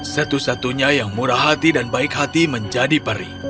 satu satunya yang murah hati dan baik hati menjadi peri